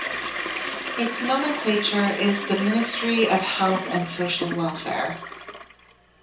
Its nomenclature is the Ministry of Health and Social Welfare.